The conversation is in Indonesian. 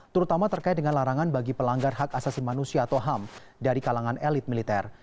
terutama terkait dengan larangan bagi pelanggar hak asasi manusia atau ham dari kalangan elit militer